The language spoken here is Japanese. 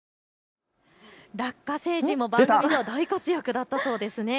ラッカ星人も番組で大活躍だったそうですね。